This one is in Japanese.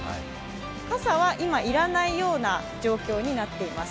傘は今、要らないような状況になっています。